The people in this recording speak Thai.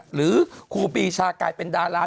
หรือครูปีชากลายเป็นดารา